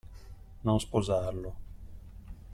Non sposarlo.